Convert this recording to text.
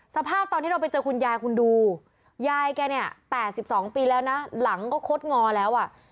สภาพตอนที่เราไปเจอคุณยายคุณดูยายแกเนี่ย๘๒ปีแล้วนะหลังก็คดงอแล้วอ่ะ